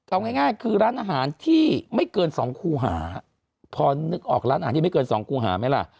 เอาง่ายคือร้านอาหารที่ไม่เกินสองครูหาพอนึกออกร้านอาหารที่ไม่เกินสองครูหาไหมล่ะ